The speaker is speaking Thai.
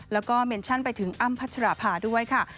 แล้วก็เมนชั่นไปถึงอ้ำพัชราภาด้วยค่ะ